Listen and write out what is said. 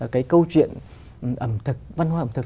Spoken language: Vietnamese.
cái câu chuyện văn hóa ẩm thực